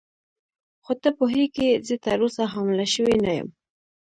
خو ته پوهېږې زه تراوسه حامله شوې نه یم.